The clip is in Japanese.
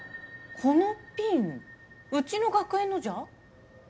このピンうちの学園のじゃ。